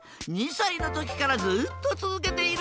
２さいのときからずっとつづけているんだ。